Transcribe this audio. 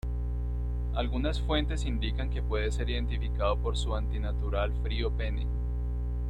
Algunas fuentes indican que puede ser identificado por su antinatural frío pene.